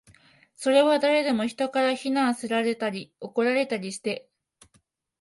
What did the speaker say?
それは誰でも、人から非難せられたり、怒られたりして